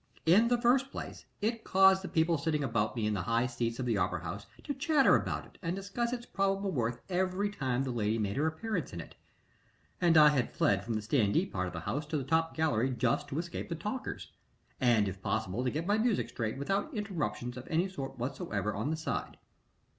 In the first place, it caused the people sitting about me in the high seats of the opera house to chatter about it and discuss its probable worth every time the lady made her appearance in it, and I had fled from the standee part of the house to the top gallery just to escape the talkers, and, if possible, to get my music straight, without interruptions of any sort whatsoever on the side.